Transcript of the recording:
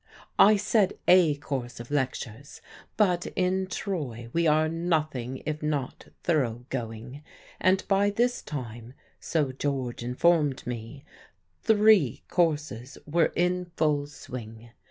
I said a course of lectures; but in Troy we are nothing if not thoroughgoing, and by this time (so George informed me) three courses were in full swing.